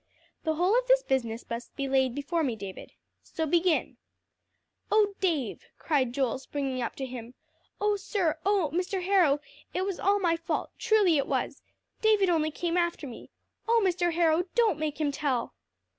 "The whole of this business must be laid before me, David. So begin." "Oh Dave!" cried Joel, springing up to him. "Oh, sir oh, Mr. Harrow, it was all my fault, truly it was. David only came after me. Oh Mr. Harrow, don't make him tell."